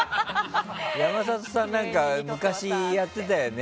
山里さんなんか昔、やってたよね。